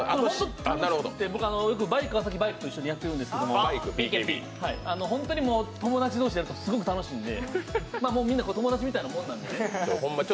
バイク川崎バイクと一緒にやってるんですけど、友達同士でやるとすごく楽しいんで、みんな友達みたいなもんなんで。